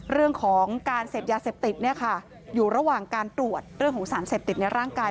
เรื่องของการเสพยาเสพติดเนี่ยค่ะอยู่ระหว่างการตรวจเรื่องของสารเสพติดในร่างกาย